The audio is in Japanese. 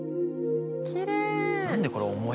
きれい。